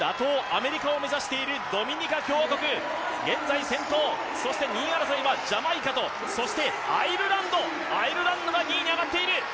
アメリカを目指しているドミニカ共和国現在先頭、そして２位争いはジャマイカとそして、アイルランドが２位に上がっている。